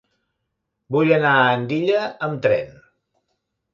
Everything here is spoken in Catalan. Vull anar a Andilla amb tren.